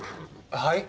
はい？